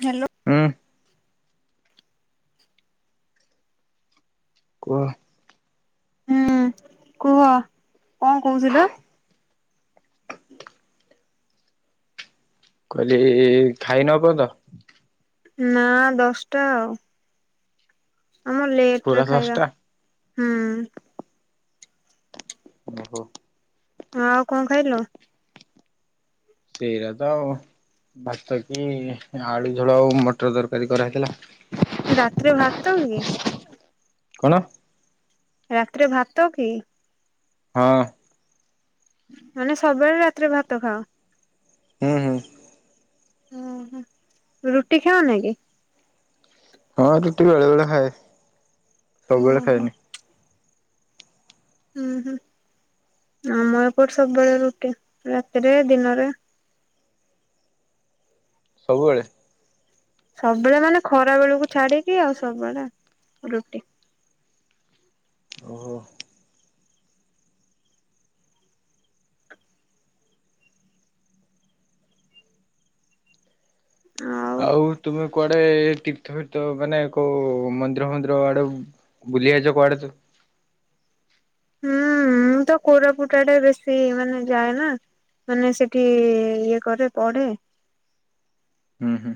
Hello ହୁଁ କୁହ। ହୁଁ କୁହ କଣ କହୁଥିଲ? କହିଲି ଖାଇନ ଏପନ୍ତ। ନା ଦଶଟା ଆଉ। ଆମ ଲେଟ୍ ରେ ପୁରା ଖାଇବା। ସସଟା? ହୁଁ। ଓହୋ। ହ ଆଉ କଣ ଖାଇଲ? ସେଇୟା ତ ଆଉ ଭାତ କି ଆଳୁ ଝୋଳ ଆଉ ମଟର ତରକାରୀ କରାହେଇଥିଲା। ରାତିରେ ଭାତ କି? କଣ? ରାତିରେ ଭାତ କି? ହଁ। ମାନେ ସବେଳେ ରାତିରେ ଭାତ ଖାଅ। ହୁଁ ହୁଁ। ଉଁହୁ ରୁଟି ଖାାଉନା କି? ହଁ ରୁଟି ବେଳେବେଳେ ଖାଏ। ସବୁବେଳେ ଓହୋ ଖାଏନି। ହୁଁ ହୁଁ ଆମ ଏପଟେ ସବୁବେଳେ ରୁଟି ରାତିରେ ଦିନରେ ସବୁବେଳେ। ସବୁବେଳେ ମାନେ ଖରା ବେଳକୁ ଛାଡିକି ଆଉ ସବୁବେଳେ ରୁଟି। ଓହୋ। ଆଉ ତୁମେ କୁଆଡେ ତୀର୍ଥ ଫୀର୍ଥ ମାନେ କୋଉ ମନ୍ଦିର ଫନ୍ଦିର ଆଡେ ବୁଲି ଆଇଛ କୁଆଡେ ତୁ ହୁଁ ମୁଁ ତ କୋରାପୁଟ ଆଡେ ବେଶୀ ମାନେ ଯାଏ ନା ମାନେ ସେଠି ଇଏ କରେ ପଢେ। ହୁଁ ହୁଁ।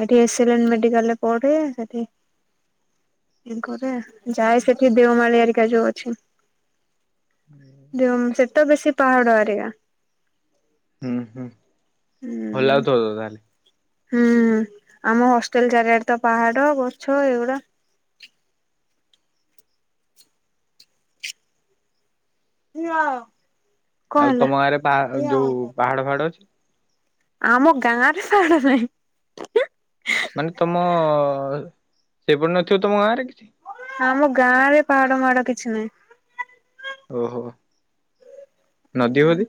ସେଠି ଏସେଲେନ ମେଡିକାଲରେ ପଢେ ସେଠି ଘରେ ଯାଏ ସେଠି ଦେଓମାଳି ଆରିକା ଯୋଉ ଅଛି ଦେଓ ସେତ ବେଶୀ ପାହାଡ ଆରିକା। ଭଲ୍ ଲାଗୁଥିବ ତ ତା ହୁଁ ଆମ ହଷ୍ଟେଲ ଚାରିଆଡ ତ ପାହାଡ ଗଛ ଏଇଗୁଡା। [unintelligible] ଆଉ ହେଲା? ତମ ଗାଁ ରେ ପାହା ଯୋଉ ପାହାଡ ଫାହାଡ ଅଛି। ଆମ ଗାଁରେ ସାଡ ନାହିଁ। [inaudible] ମାନେ ତମ ସେପରି ନଥିବ ତମ ଗାଁରେ ଆମ ଗାଁ ରେ ପାଡ ମାଡ କିଛି ନାହିଁ। ଓ ହୋ। ନଦୀ ବଦି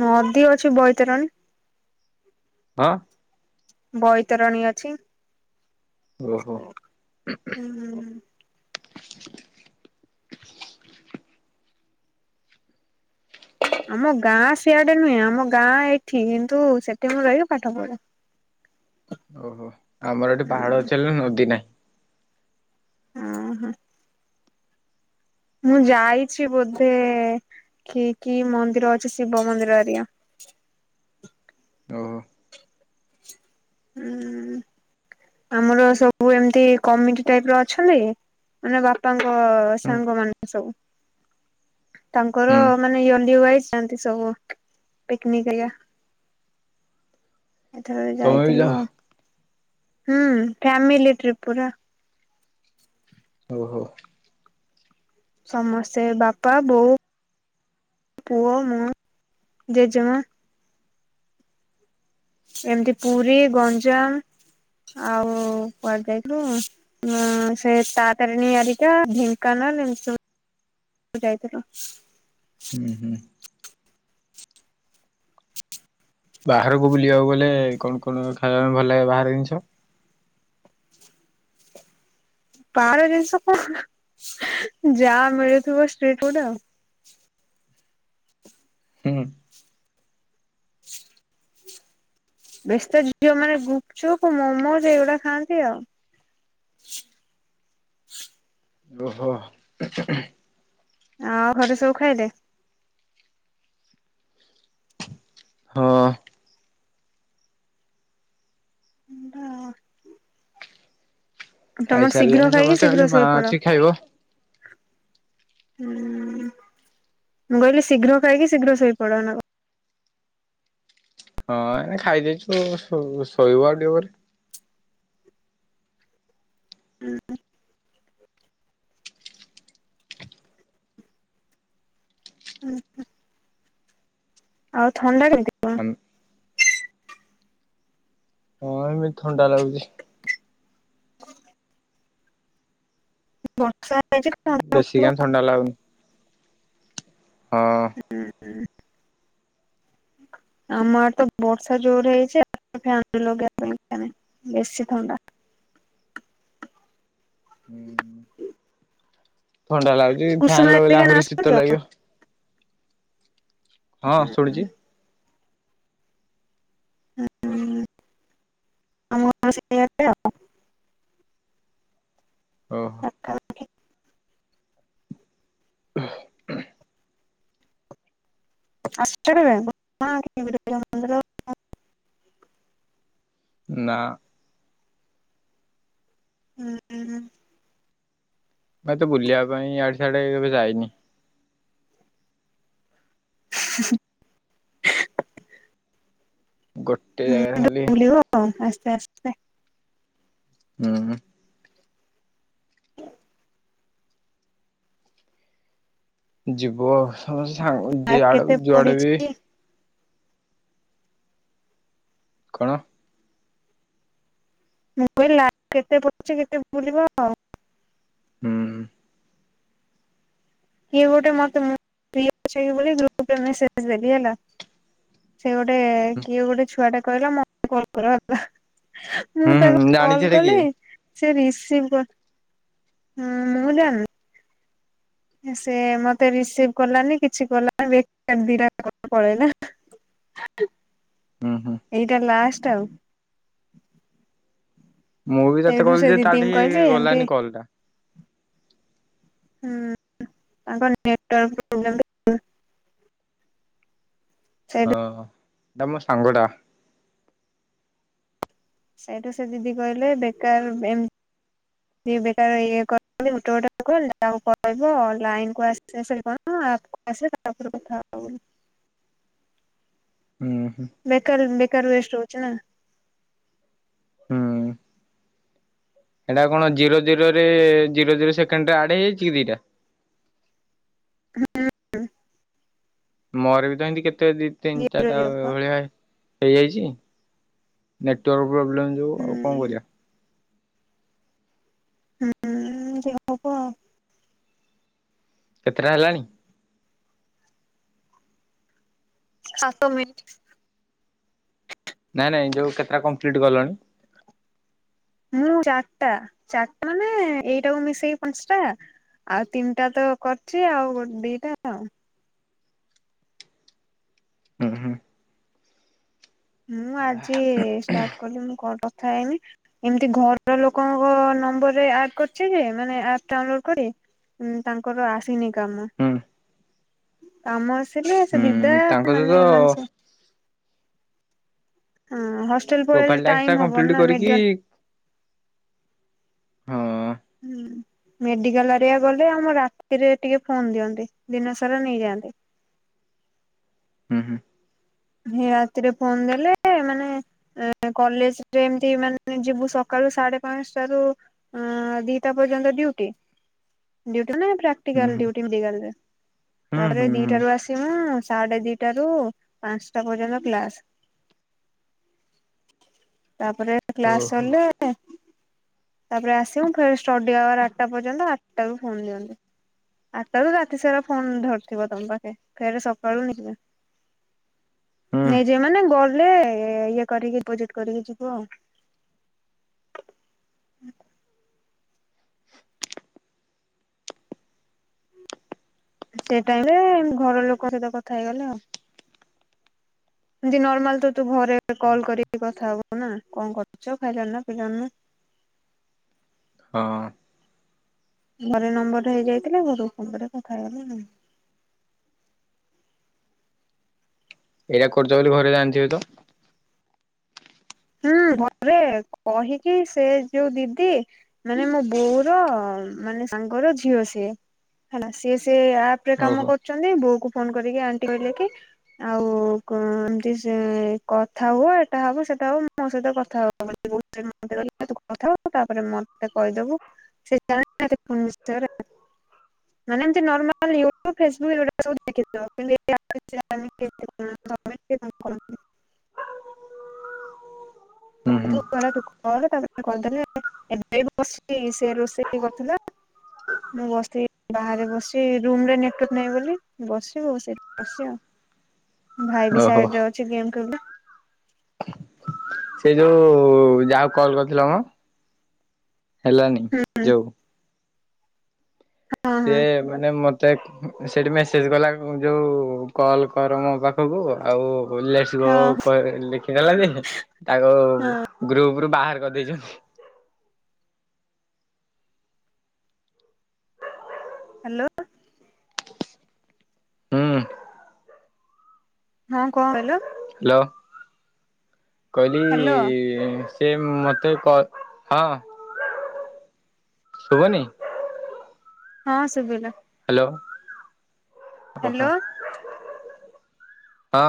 ନଦୀ ଅଛି ବୈତରନି। ହଁ। ବୈତରଣୀ ଅଛି। ଓହୋ। ହୁଁ ଆମ ଗାଁ ସିଆଡେ ନୁହେଁ ଆମ ଗାଁ ଏଇଠି କିନ୍ତୁ ସେଠି ମୁଁ ରହିକି ପାଠ ପଢେ। ଓହୋ। ଆମର ଏଠି ପାହାଡ ହୁଁ ଅଛି ହେ ନା ନଦୀ ନାହିଁ। ହଁ ହୋ। ମୁଁ ଯାଇଛି ବୋଧେ କି କି ମନ୍ଦିର ଅଛି ଶିବ ମନ୍ଦିର ଏରିଆ। ଓ। ହୁଁ। ଆମର ସବୁ ଏମତି କମିଟି ଟାଇପ୍ ର ଅଛନ୍ତି ମାନେ ବାପାଙ୍କ ତ ହୁଁ ସାଙ୍ଗ ମାନେ ସବୁ। ତାଙ୍କର ହୁଁ ମାନେ ୟଲ୍ଲୀ ୱାଇଜ୍ ଛନ୍ତି ସବୁ ପିକନିକ୍ କରିଆ। ଏଥର ବି ତମେ ଯାଇଥିଲୁ ଯାଅ ଆଉ। ହୁଁ ଫ୍ୟାମିଲ ଟ୍ରିପ ପୁରା। ଓ ହୋ। ସମସ୍ତେ ବାପା ବୋଉ ପୁଅ ମୁଁ ଜେଜେମା। ଏମିତି ପୁରୀ ଗଞ୍ଜାମ ଆଉ କୁଆଡେ ଯାଇଥିଲୁ ଉଁ ସେ ତାରା ତାରିଣୀ ଆରିକା ଢେଙ୍କାନାଳ ଏମିତି ସବୁ ଯାଇଥିଲୁ। ହୁଁ ହୁଁ। ବାହାରକୁ ବୁଲିବାକୁ ଗଲେ କଣ କଣ ଖାଇବା ପାଇଁ ଭଲ ଲାଗେ ବାହାର ଜିନିଷ? ବାହାର ଜିନିଷ ତ ହ ହ ଯା ମିଳୁଥିବ ଷ୍ଟିଟ ଫୁଡ୍ ଆଉ ହୁଁ ବେଶି ତ ଝିଅମାନେ ଗୁପଚୁପ ମୋମୋଜ ଏଇଗୁଡା ଖାଆନ୍ତି ଆଉ ଓହୋ ହୁଁ ହୁଁ ଆଉ ଘରେ ସବୁ ଖାଇଲେ? ହଁ [unintelligible] ତମର ଶୀଘ୍ର ଖାଇସାରିଲେଣି ସମସ୍ତେ ଖାଲି ମା ଅଛି ଖାଇବ ହୁଁ ମୁଁ କହିଲି ଶୀଘ୍ର ଖାଇକି ଶୀଘ୍ର ଶୋଇପଡନା ହଁ ଏ ଖାଇ ଦେଇଛୁ ତ ଶୋଇବୁ ଆଉ ଟିକେ ପରେ ହୁଁ [unintelligible] ଆଉ ଥଣ୍ଡା କେ ହଁ ଏମିତି ଥଣ୍ଡା ଲାଗୁଛି [unintelligible] ଥଣ୍ଡା ବେଶି ହଉଥିବ। କାଇଁ ଥଣ୍ଡା ଲାଗୁନି ହଁ ହଁ ଆମ ଆଡ଼େ ତ ବର୍ଷା ଜୋରରେ ହେଇଛି [unintelligible] ଫ୍ୟାନ ବି ଲଗେଇବା ଦରକାର ନାହିଁ ବେଶି ଥଣ୍ଡା ହୁଁ ଥଣ୍ଡା ଲାଗୁଛି କୁସୁମା ଫ୍ୟାନ୍ ଲଗେଇଲେ ହେରିକା ନାଁ ଆହୁରି ଶୀତ ଶୁଣିଛ? ଲାଗିବ ହଁ ଶୁଣୁଚି। ଉଁ ଆମ ଘର ସେଆଡେ ଆଉ। ଓ ହୋ। ଅସୁଚ କେବେ [unintelligible] ନା। ହୁଁ ହୁଁ। ମ ଏତେ ବୁଲିବା ପାଇଁ ଇଆଡେ ସିଆଡେ କେବେ ଯାଇନି। ଗୋଟ ଏଇଆ ଖାଲି ଲାଷ୍ଟରେ ଉଁ ଯିବ ସମସ୍ତେ ସାଙ୍ଗ ଲାଇଫ୍ ଯିଆଡେ କେତେ ଯୁଆଡେ ବି ପଡିଛି କଣ? ମୁଁ କହିଲ ଲାଇଫ କେତେ ପଡଚି କେତେ ବୁଲିବ। ଉଁହୁଁ। କିଏ ଗୋଟେ ମତେ ମୁଁ ଫ୍ରି ଅଛକି ବୋଲି ଗ୍ରୁପରେ ମେସେଜ ଦେଲି ହେଲା ସେ ଗୋଟେ କିଏ ଗୋଟେ ଛୁଆଟେ କହିଲା ମତେ କଲ କର ହେଲା। ମୁଁ ହୁଁ ହୁଁ ତାକୁ ଜାଣିଚି କଲ୍ ହେଟା କଲି କିଏ। ସେ ରିସିଭ କର୍ ହୁଁ ମୁଁ ଜାଣନି। ସେ ମତେ ରିସିଭ କଲାନି କିଛି କଲାନି ବେକାର ଦିଟା କଲ ପଳେଇଲା। ହୁଁ ହୁଁ ଏଇଟା ଲାଷ୍ଟ ଟ ଆଉ। ମୁଁ ବି ତତେ ସେଇଠୁ ସେ କହିଲି ଯେ ତାଠି ଦିଦିଙ୍କୁ କହିଲି ଏମତି ଗଲାନି କଲଟା। ହୁଁ ତାଙ୍କ ନେଟୱର୍କ ପ୍ରୋବ୍ଲେମ। [inaudible] ସେଇଠୁ ଓହ। ଏଟା ମୋ ସାଙ୍ଗଟା। ସେଇଠୁ ସେ ଦିଦି କହିଲେ ବେକାର ଏମ-ତି ବେକାର ଇଏ କରୁଚନ୍ତି ଗୋଟେ ଗୋଟେ ଲୋକ ଯାହାଙ୍କୁ କହିବ ଲାଇନକୁ ଆସିବା ସାରି କଣ ନା ଆମକୁ ଆସିଲେ ତାପରେ କଥା ହବ ବୋଲି। ହୁଁ ହୁଁ ବେକାର ବେ କାର ୱେଷ୍ଟ ହୋଉଚି ନା। ହୁଁ। ସେଟା କଣ ଜିରୋ ଜିରୋରେ ଜିରୋ ଜିରୋ ସେକେଣ୍ଡରେ ଆଡ ହେଇଯାଇଚି କି ଦିଟ। ହଁ [unintelligible] ମୋର ବି ତ ଏମତି କେତ ତେ ଦି ତିନି ଜିରୋ ଚାରିଟା ଜିରୋ ପା ଭଳିଆ ହେଇଯାଇଚି। ନେଟୱାର୍କ ପ୍ରୋବ୍ଲେମ ଯୋଉ ଆଉ କଣ ହୁଁ। କରିବା। ହୁଁ ଯାହା ହବ ଆଉ। କେତେଟା ହେଲାଣି? ସାତ ମିନଟି। ନାଇଁ ନାଇଁ ଯୋଉ କେତେଟା କଁ ପ୍ଲିଟ କଲଣି? ମୁଁ ଚାରଟା ଚାରଟା ମାନେ ଏଇଟାକୁ ମିଶେଇିକ ପାଞ୍ଚଟା ଆଉ ତିନିଟା ତ କରଚି ଆଉ ଗୋ ଦିଟା ଆଉ। ହୁଁ ହୁଁ। ମୁଁ ଆଜି ଷ୍ଟାର୍ଟ କଲି ମୁଁ କଟ ଥାଇନି ଏମତି ଘର ଲୋକଙ୍କ ନମ୍ବରରେ ଆଡ କରଚି ଯେ ମାନେ ଆପ ଡାଉନଲୋଡ କରି ଉଁ ତାଙ୍କର ଆସିନି କାମ। ହୁଁ କମ ଆସ୍ ଥିଲେ ସେ ହୁଁ ଦିଦା ହୁଁ ତାଙ୍କ ସହିତ ମାନେ ମାନଛ ହୁଁ। ପ୍ରୋଫାଇଲ ଟାକ୍ସ ଟା କମ୍ପ୍ଲିଟ କରିକି ହଁ ହୁଁ। ମେଡିକାଲ ଆରିଆ ଗଲେ ଆମ ରାତିରେ ଟିକେ ଫୋନ ଦିଅନ୍ତି ଦିନ ସାରା ନେଇଯାଆନ୍ତି। ହୁଁ ହୁଁ। ରାତିରେ ଫୋନ ଦେଲେ ମାନେ କଲେଜରେ ଏମତି ମାନେ ଯିବୁ ସକାଳୁ ସାଢେ ପାଞ୍ଚଟା ରୁ ଦିଟା ପର୍ଯ୍ୟନ୍ତ ଡିଉଟି ମାନେ ହୁଁ ହୁଁ ପ୍ରାଟିକାଲ ହୁଁ ତାପରେ ହୁଁ ଦିଟା ହୁଁ ରୁ ଆସିମୁ ସାଢେ ଦିଟ ରୁ ପାଶନ୍ଟା ପଯ୍ୟନ୍ତ କ୍ଲାସ। ତାପରେ କ୍ଲାସ ଓହୋ ସରିଲେ ତାପରେ ଆସିମୁ ଫେର ଷ୍ଟଡି ଆୱାର ଆଠଟା ପର୍ଯ୍ୟନ୍ତ ଆଠଟା ରୁ ଫୋନ ଦିଅନ୍ତି ଆଠଟା ରୁ ରାତି ସାରା ଫୋନ ଧରିଥିବ ତମେ ଫେର ସକାଳୁ ନେଇଯିବେ ହୁଁ ନେଇଯିବ ମାନେ ଗଲେ ଇଏ କରିକି ଡିପୋଜିଟ କରିକି ଯିବ ଆଉ। [inaudible] ସେ ଟାଇମରେ ଘର ଲୋକ ସହିତ କଥା ହେଇଗଲେ ଆଉ। ଏମତି ନର୍ମାଲ ତ ତୁ ଘରେ କଲ କରିକି କଥା ହବୁ ନା କଣ କରୁଛ ଖାଇଲ୍ନନା ପିଲ୍ନନା। ହଁ ଘରେ ନମ୍ବରରେ ହେଇ ଯାଇଥିଲେ ଘରକୁ ଫୋନ ରି କଥା ହେଇଗଲେ ଆଉ। ଏଇଟା କରୁଚ ବୋଲି ଘରେ ଜାଣିଥିବେ ତ? ହୁଁ ଘରେ କହିକି ସେ ଯୋଉ ଦିଦି ମାନେ ମୋ ବୋଉର ମାନେ ସାଙ୍ଗର ଝିଅ ସିଏ ହେଲା ସିଏ ସେ ଆପ ରେ କାମ ଓହୋ କରୁଛନ୍ତି ବୋଉକୁ ଫୋନ କରିକି ଆଣ୍ଟି କହିଲେ କି ଆଉ ଏମତି ସେ କଥା ହୁ ଏଟା ହବ ସେଟା। ମୋ କଥାବ କଥାବ ତାପରେ ମୋତେ କହିଲା ତୁ କଥା ହୋଉନୁ ତାପେ କଇ ଦବୁ ସେ ଫ ମାନମ ଫଟ ମାନେ ଏମତି ନର୍ମାଲି ଇଉଟୁବ୍ ଫେସବୁକ୍ ଏଇ ଡୁଢା ସବୁ। [unintelligible] ହୁଁ ହୁଁ ତୁ କଣ ନା ତାକୁ କରେ ତାପରେ କହିଦେ ଏବେ ବସି ସେ ରୋଷେଇ କରିଥିଲା ମୁଁ ବସି ବାହାରେ ବସି ରୁମରେ ନେଟ୍ ନାହିଁ ବୋଲି ବସଚି ବସ ଆଉ ଭାଇ ବି ଓହୋ ସାଇଡ ଅଛି ଗେମ ଖେଳୁ ଥିଲା। ସେ ଯୋଉ ଯାହାକୁ କଲ କରିଥିଲା ମ? ହେଲାନି ଯୋଉ ହଁ ସେ ହଁ ମାନେ ମୋତ ତେକ୍ ସେଇଠି ମେସେଜ୍ କଲା ଯେଉଁ କଲ୍ କର ମୋ ପାଖକୁ ଆଉ ଉଲେ ଆସିବ ହଁ କ ଲେଖି ଦେଲାଯେ ତାକୁ ହଁ ଗ୍ରୁପ ରୁ ବାହାର୍ କର୍ଦେଇଚୁ। ହ୍ୟାଲୋ। ହୁଁ ହଁ କଣ କହିଲୁ? ହ୍ୟାଲୋ। କହିଲି ହ୍ୟାଲୋ ଇ ସେ ମୋତେ କ ହଁ ଶୁଭନି? ହଁ ଶୁଭିଲା। ଲୋ ହାଲୋ ହଁ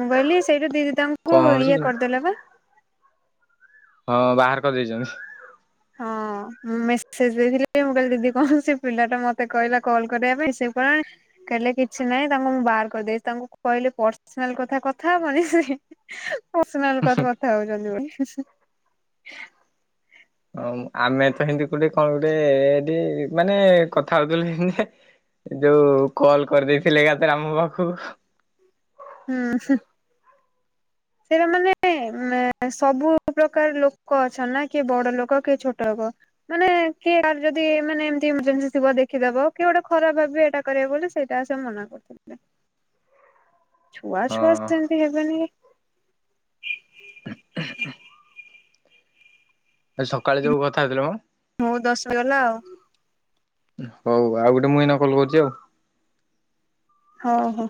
ମୁଁ କହିଲି ସେଇଟା ଦି ଦେଇ ତାଙ୍କୁ କଣ ହଉଛି ଇଏ କି କରିଦେଲେ ବା! ହଁ ବାହାର କରିଦେଇଛନ୍ତି। ହଁ ମୁଁ ମେସେଜ ଦେଇଥିଲି ଯେ ମୁଁ କହିଲି ଦିଦି ସେ ପିଲାଟା ମତେ କହିଲା କଲ କରିବା ପାଇଁ ସେ କଲାଣି। କହିଲେ କିଛି ନାହିଁ ତାଙ୍କୁ ମୁଁ ବାହାର କରିଦେଇଛି। ତାଙ୍କୁ କହିଲେ ପର୍ସିନାଲ କଥା କଥା ହବନି ସେ ପର୍ସିନାଲ କଥା କଥା ହଉଛନ୍ତି ବୋଲି। [unintelligible] ହଁ ଆମେ ତ ହିନ୍ଦି ପୁଣି କଣ ଗୋଟେ ଏଟି ମାନେ କଥା ହଉଥିଲୁ ହିନ୍ଦି ଯେ ଯୋଉ କଲ କରିଦେଇଥିଲେ ଏକାଥରେ ଆମ ପାଖକୁ। ହୁଁ ହୁଁ। ସେଇରା ମାନେ ମେ-ସବୁ ପ୍ରକାର ଲୋକ ଅଛନ୍ତି ନା କିଏ ବଡ ଲୋକ କିଏ ଛୋଟ ଲୋକ। ମାନେ କିଏ-ଆର୍ ଯଦି ମାନେ ଏମତି ଏମର୍ଜେନ୍ସି ଥିବ ଦେଖିଦବ କିଏ ଗୋଟେ ଖରାପ ଭାବିବେ ଏଇଟା କରିବ ବୋଲି ସେଇଟା ସେ ମନା କରୁଥିଲେ। ଛୁଆ ଛୁଆ ହଁ। ସେମତି ହେବେନି ଆଜି ସକାଳେ ଯୋଉ କଥା ହଉଥିଲେ ମ? ମୁଁ ଦଶ ଗଲା ଆଉ। ହଉ ଆଉ ଗୋଟେ ମୁଁ ଏଇନା କଲ କରୁଛି ଆଉ। ହଉ ହଉ।